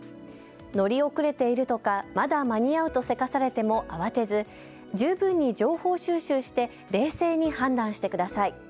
乗り遅れているとかまだ間に合うとせかされても慌てず十分に情報収集して冷静に判断してください。